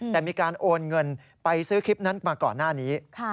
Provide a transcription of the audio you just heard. แต่มีการโอนเงินไปซื้อคลิปนั้นมาก่อนหน้านี้